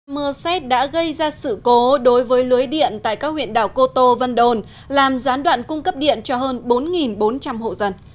mưa xét đã gây ra sự cố đối với lưới điện tại các huyện đảo cô tô vân đồn làm gián đoạn cung cấp điện cho hơn bốn bốn trăm linh hộ dân